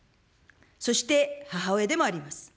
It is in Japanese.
そして母親でもあります。